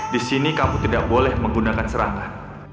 di sini kamu tidak boleh menggunakan serangka